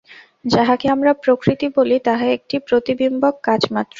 যাহাকে আমরা প্রকৃতি বলি, তাহা একটি প্রতিবিম্বক কাঁচ মাত্র।